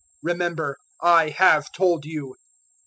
Remember, I have told you."